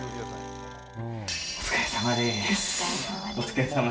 お疲れさまです。